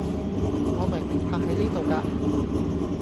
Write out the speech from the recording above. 我明明泊係呢度架